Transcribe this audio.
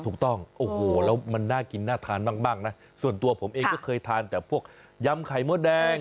ถูกต้องโอ้โหแล้วมันน่ากินน่าทานมากนะส่วนตัวผมเองก็เคยทานแต่พวกยำไข่มดแดง